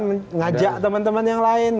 mengajak teman teman yang lain